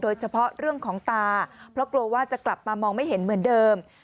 โดยเฉพาะเรื่องของตาเพราะกลัวว่าจะกลับมามองไม่เห็นเหมือนเดิม